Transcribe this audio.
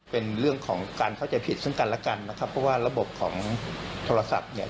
เป็นเรื่องของการเข้าใจผิดซึ่งกันและกันนะครับเพราะว่าระบบของโทรศัพท์เนี่ย